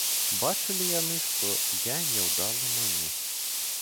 Бачылі яны, што я няўдала маню.